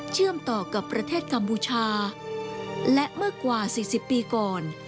เชื่อมต่อกับประเทศกัมพูชาและเมื่อกว่า๔๐ปีก่อน